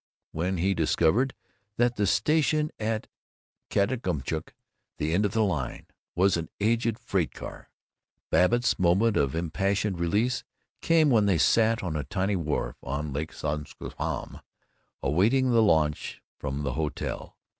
when he discovered that the station at Katadumcook, the end of the line, was an aged freight car; Babbitt's moment of impassioned release came when they sat on a tiny wharf on Lake Sunasquam, awaiting the launch from the hotel.